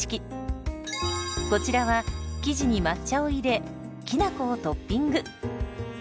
こちらは生地に抹茶を入れきなこをトッピング。